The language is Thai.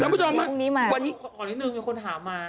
แล้วผู้ชมมั้ยค่อยนิดนึงมีคนถามมา